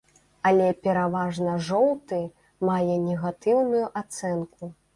Але пераважна жоўты мае негатыўную ацэнку.